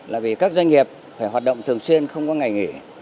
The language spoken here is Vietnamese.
là vì các doanh nghiệp phải hoạt động thường xuyên không có ngày nghỉ